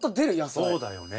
そうだよね。